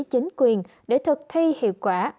chính quyền để thực thi hiệu quả